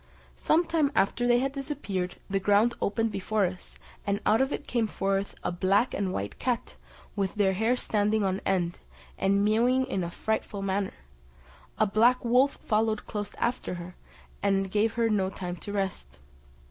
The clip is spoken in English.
Some time after they had disappeared, the ground opened before us, and out of it came forth a black and white cat, with her hair standing on end, and mewing in a frightful manner; a black wolf followed close after her, and gave her no time to rest.